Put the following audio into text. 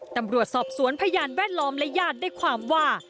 ตำรวจสอบสวนพยานแวดล้อมและญาติได้ความว่า